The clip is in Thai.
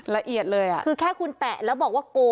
ละเอียดเลยอ่ะคือแค่คุณแตะแล้วบอกว่าโกง